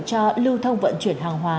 cho lưu thông vận chuyển hàng hóa